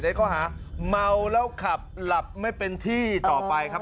ข้อหาเมาแล้วขับหลับไม่เป็นที่ต่อไปครับ